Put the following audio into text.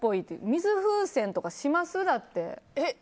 水風船とかします？だって。